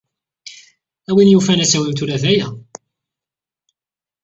A win yufan, ad tawimt ula d aya.